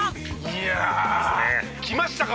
いやあきましたか